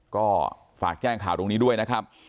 ก็ฝากแจ้งข่าวตรงนี้ด้วยนะครับ